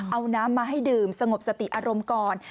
เอาน้ำมาให้ดื่มสงบสติอารมณ์ก่อน